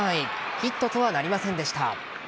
ヒットとはなりませんでした。